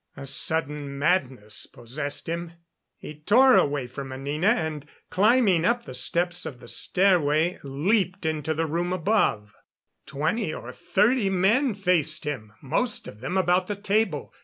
A sudden madness possessed him. He tore away from Anina and, climbing up the steps of the stairway, leaped into the room above. Twenty or thirty men faced him, most of them about the table.